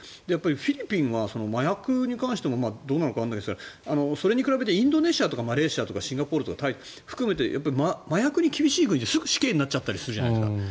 フィリピンは麻薬に関してもどうなのかわからないですけどそれに比べてインドネシアとかマレーシアとかシンガポールとかタイ含めて麻薬に厳しい国ってすぐに死刑になっちゃったりするじゃないですか。